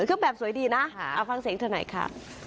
ก็แบบสวยดีนะเอาฟังเสียงเธอหน่อยค่ะ